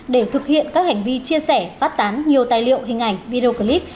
để thực hiện các hành vi chia sẻ phát tán nhiều tài liệu hình ảnh video clip